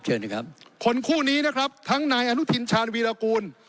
ครับคนคู่นี้นะครับทั้งนายอนุทินชาญวีรกูล